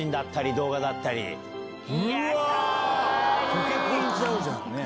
溶け込んじゃうじゃんね！